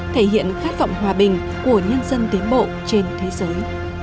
thể hiện khát vọng hòa bình của nhân dân tiến bộ trên thế giới